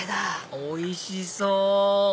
おいしそう！